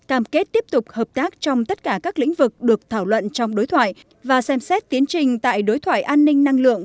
cam kết tiếp tục hợp tác trong tất cả các lĩnh vực được thảo luận trong đối thoại và xem xét tiến trình tại đối thoại an ninh năng lượng